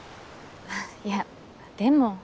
いやでも。